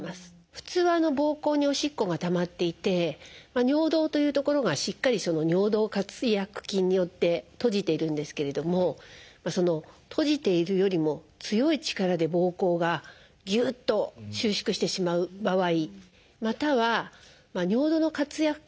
普通はぼうこうにおしっこがたまっていて尿道という所がしっかり尿道括約筋によって閉じているんですけれども閉じているよりも強い力でぼうこうがギュッと収縮してしまう場合または尿道の括約筋